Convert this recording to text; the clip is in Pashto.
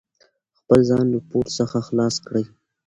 خپل ځان له پور څخه خلاص کړئ.